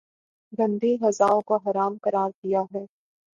گندی غذاؤں کو حرام قراردیا ہے